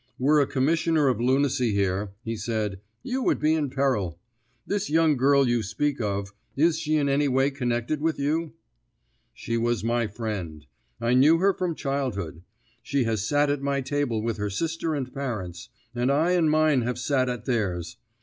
"Were a commissioner of lunacy here," he said, "you would be in peril. This young girl you speak of, is she in any way connected with you?" "She was my friend; I knew her from childhood; she has sat at my table with her sister and parents, and I and mine have sat at theirs.